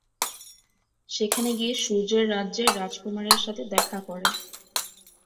সেখানে গিয়ে সূর্যের রাজ্যের রাজকুমারের সাথে দেখা করে।